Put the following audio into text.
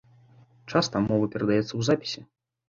Часта мова перадаецца ў запісе.